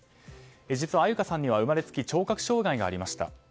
実は安優香さんには生まれつき聴覚障害がありました。